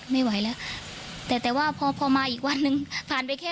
ไม่ไหวแล้วแต่แต่ว่าพอพอมาอีกวันหนึ่งผ่านไปแค่